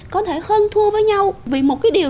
có thể hơn thua với nhau vì một cái điều